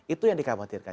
itu yang dikhawatirkan